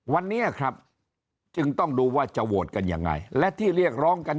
วันนี้ครับจึงต้องดูว่าจะโหวตกันยังไงและที่เรียกร้องกัน